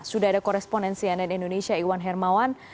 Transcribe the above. sudah ada koresponensi ann indonesia iwan hermawan